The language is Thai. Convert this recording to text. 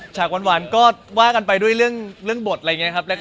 ฉากหวานก็ว่ากันไปด้วยเรื่องบทอะไรอย่างนี้ครับ